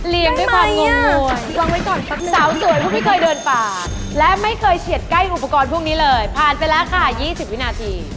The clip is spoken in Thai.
ด้วยความงงไว้ก่อนสาวสวยผู้ไม่เคยเดินป่าและไม่เคยเฉียดใกล้อุปกรณ์พวกนี้เลยผ่านไปแล้วค่ะ๒๐วินาที